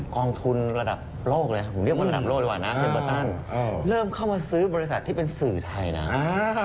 กองทุนระดับโลกเลยนะเริ่มเข้ามาซื้อบริษัทที่เป็นสื่อไทยนะ